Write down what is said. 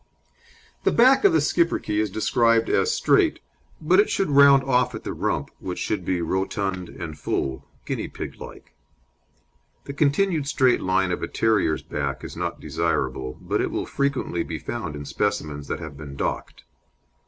The back of the Schipperke is described as straight, but it should round off at the rump, which should be rotund and full, guinea pig like. The continued straight line of a terrier's back is not desirable, but it will frequently be found in specimens that have been docked.